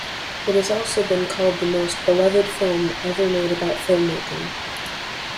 It has also been called the most beloved film ever made about filmmaking.